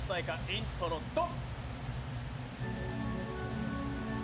イントロ・ドン。